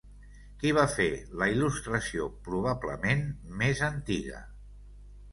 Qui va fer la il·lustració probablement més antiga?